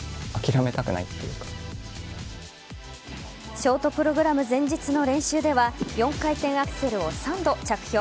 ショートプログラム前日の練習では４回転アクセルを３度着氷。